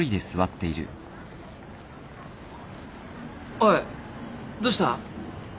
おいどうした？